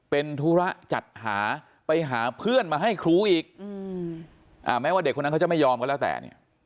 เป็นธุระจัดหาไปหาเพื่อนมาให้ครูอีกแม้ว่าเด็กคนนั้นเขาจะไม่ยอมก็แล้วแต่เนี่ย